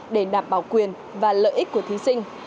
để đảm bảo quyền và lợi ích của thí sinh